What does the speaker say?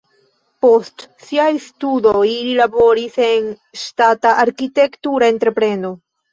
Post siaj studoj li laboris en ŝtata arkitektura entrepreno.